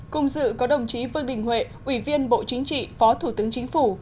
cùng dự có đồng chí vương đình huệ ủy viên bộ chính trị phó thủ tướng chính phủ